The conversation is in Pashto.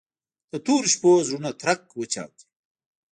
د تورو شپو زړونه ترک وچاودي